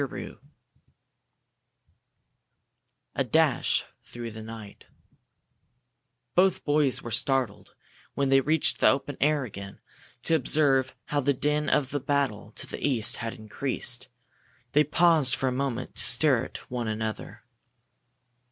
CHAPTER XV A DASH THROUGH THE NIGHT Both boys were startled when they reached the open air again to observe how the din of the battle to the east had increased. They paused for a moment to stare at one another.